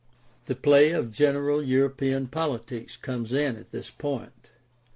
The play of general European politics comes in at this point.